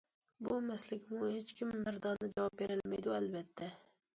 بۇ مەسىلىگىمۇ ھېچكىم مەردانە جاۋاب بېرەلمەيدۇ، ئەلۋەتتە.